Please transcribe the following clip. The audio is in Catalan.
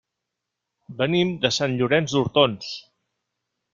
Venim de Sant Llorenç d'Hortons.